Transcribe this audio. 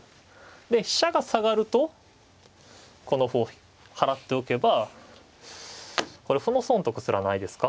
で飛車が下がるとこの歩を払っておけばこれ歩の損得すらないですか。